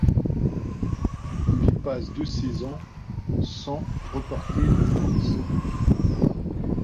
Il y passe deux saisons sans remporter de course.